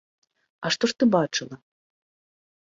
А што ж ты бачыла?